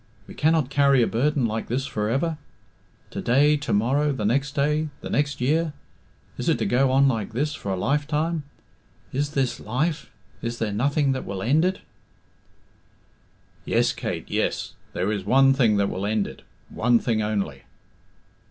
We cannot carry a burden like this for ever. To day, to morrow, the next day, the next year is it to go on like this for a lifetime? Is this life? Is there nothing that will end it?" "Yes, Kate, yes; there is one thing that will end it one thing only."